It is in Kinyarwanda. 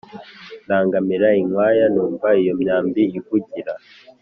Ndangamira inkwaya numva iyo imyambi ivugira